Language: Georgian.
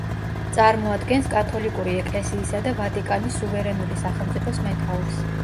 წარმოადგენს კათოლიკური ეკლესიისა და ვატიკანის სუვერენული სახელმწიფოს მეთაურს.